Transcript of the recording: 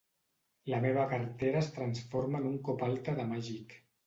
La meva cartera es transforma en un copalta de màgic.